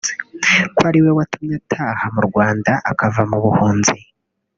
ko ari we watumye ataha mu Rwanda akava mu buhunzi